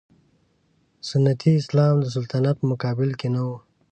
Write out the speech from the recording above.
سنتي اسلام د سلطنت په مقابل کې نه و.